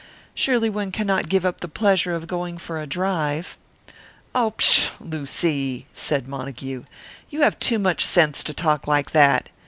Surely one cannot give up the pleasure of going for a drive " "Oh, pshaw, Lucy!" said Montague. "You have too much sense to talk like that.